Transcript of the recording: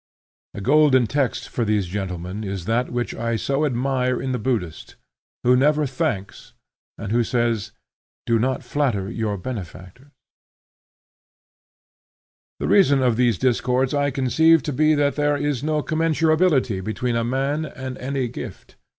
A golden text for these gentlemen is that which I so admire in the Buddhist, who never thanks, and who says, "Do not flatter your benefactors." The reason of these discords I conceive to be that there is no commensurability between a man and any gift.